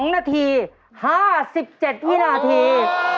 ๒นาที๕๗วินาที